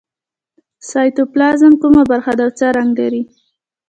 سایتوپلازم کومه برخه ده او څه رنګ لري